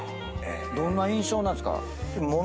どんな印象なんですか？